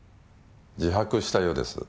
自白したようです。